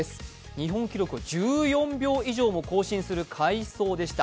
日本記録を１４秒以上も更新する快走でした。